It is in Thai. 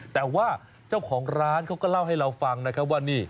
แต่ว่าเจ้าของร้านเขาก็เล่าให้เราฟังนะครับว่านี่